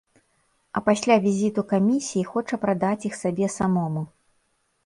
А пасля візіту камісіі хоча прадаць іх сабе самому.